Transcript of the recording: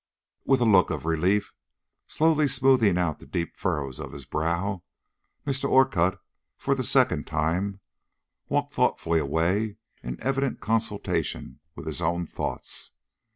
With a look of relief, slowly smoothing out the deep furrows of his brow, Mr. Orcutt, for the second time, walked thoughtfully away in evident consultation with his own thoughts.